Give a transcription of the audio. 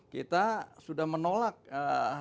kita sudah menolak ruu